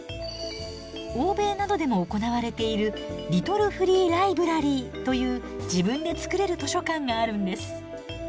欧米などでも行われているリトルフリーライブラリーという自分で作れる図書館があるんです。